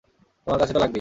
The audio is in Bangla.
তোমার কাছে তো লাগবেই।